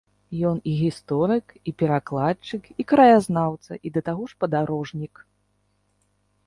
Ён і гісторык, і перакладчык, і краязнаўца, і да таго ж падарожнік.